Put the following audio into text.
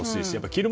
着る